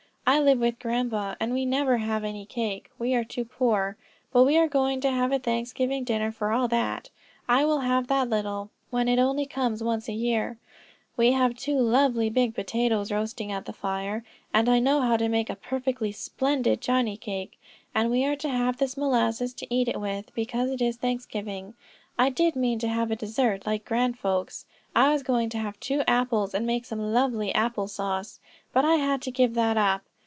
I live with grandpa, and we never have any cake; we are too poor; but we are going to have a Thanksgiving dinner for all that. I will have that little, when it only comes once a year. We have two lovely big potatoes roasting at the fire, and I know how to make perfectly splendid johnny cake, and we are to have this molasses to eat with it, because it is Thanksgiving. I did mean to have a dessert, like grand folks. I was going to have two apples and make some lovely apple sauce, but I had to give that up.